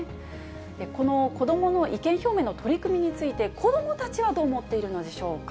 この子どもの意見表明の取り組みについて、子どもたちはどう思っているのでしょうか。